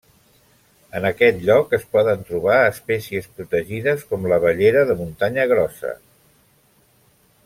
En aquest lloc es poden trobar espècies protegides com l'abellera de muntanya grossa.